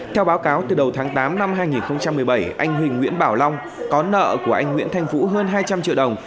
theo báo cáo từ đầu tháng tám năm hai nghìn một mươi bảy anh huỳnh nguyễn bảo long có nợ của anh nguyễn thanh vũ hơn hai trăm linh triệu đồng